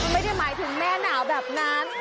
ไม่ได้หมายถึงแม่หนาวแบบนั้น